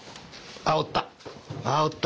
あおった。